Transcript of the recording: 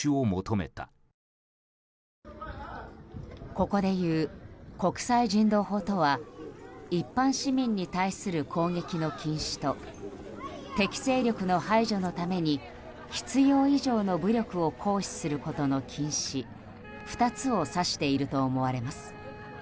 ここでいう国際人道法とは一般市民に対する攻撃の禁止と敵勢力の排除のために必要以上の武力を行使することの禁止２つを指していると思われます。